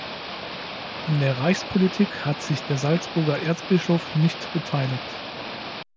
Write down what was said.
An der Reichspolitik hat sich der Salzburger Erzbischof nicht beteiligt.